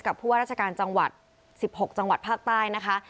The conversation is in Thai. ผู้ว่าราชการจังหวัด๑๖จังหวัดภาคใต้นะคะ